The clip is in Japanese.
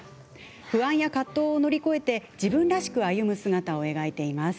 不安や葛藤を乗り越えて自分らしく歩む姿を描いています。